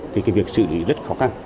thì cái việc xử lý rất khó khăn